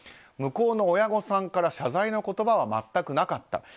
向こうの親御さんから謝罪の言葉は全くなかった。